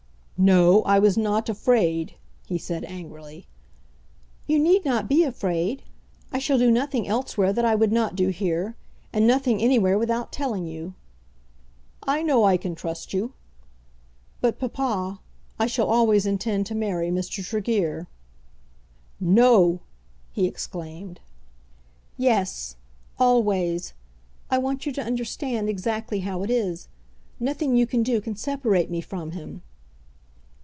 "No; I was not afraid," he said angrily. "You need not be afraid. I shall do nothing elsewhere that I would not do here, and nothing anywhere without telling you." "I know I can trust you." "But, papa, I shall always intend to marry Mr. Tregear." "No!" he exclaimed. "Yes; always. I want you to understand exactly how it is. Nothing you can do can separate me from him."